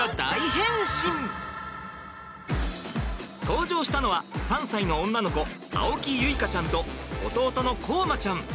登場したのは３歳の女の子青木結花ちゃんと弟の凰真ちゃん。